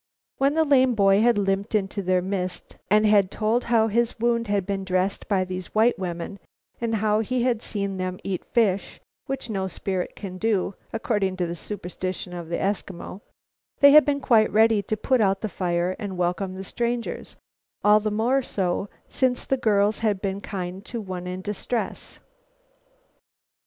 When the lame boy had limped into their midst, and had told how his wound had been dressed by these white women, and how he had seen them eat fish, which no spirit can do, according to the superstition of the Eskimo, they had been quite ready to put out the fire and welcome the strangers, all the more so since the girls had been kind to one in distress.